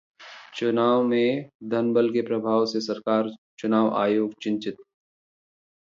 चुनाव में धनबल के प्रभाव से सरकार, चुनाव आयोग चिंतित